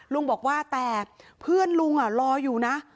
ลุงบอกว่าแต่เพื่อนลุงรออยู่นะ